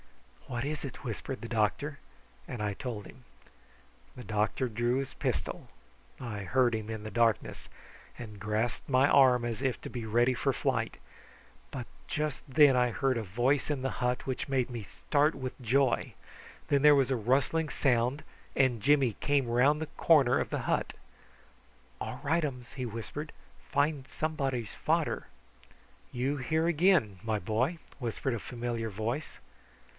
"What is it?" whispered the doctor; and I told him. The doctor drew his pistol I heard him in the darkness and grasped my arm, as if to be ready for flight; but just then I heard a voice in the hut which made me start with joy. Then there was a rustling sound, and Jimmy came round the corner of the hut. "All rightums!" he whispered. "Find somebody's fader!" "You here again, my boy!" whispered a familiar voice.